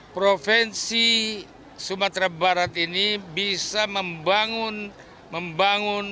provinsi sumatera barat ini bisa membangun